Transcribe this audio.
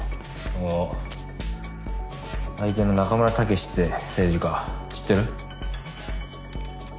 その相手の仲村毅って政治家知ってる？